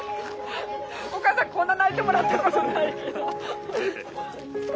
お母さんこんな泣いてもらったことないけど。